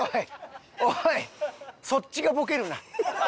そっちがボケるな。